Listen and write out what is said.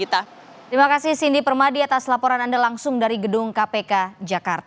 terima kasih cindy permadi atas laporan anda langsung dari gedung kpk jakarta